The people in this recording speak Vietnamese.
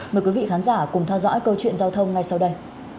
mời quý vị khán giả cùng theo dõi câu chuyện giao thông ngay sau đây